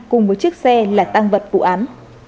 cùng với chiếc xe là tăng vật vụ án